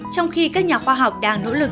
trong khi các nhà khoa học đang nỗ lực